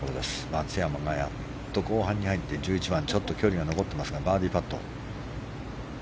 松山がやっと後半に入って１１番、ちょっと距離が残ってますがバーディーパット。